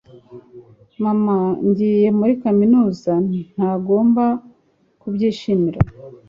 mama ngiye muri kaminuza, ntugomba kubyishimira